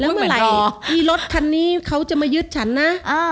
เมื่อไหร่ที่รถคันนี้เขาจะมายึดฉันนะ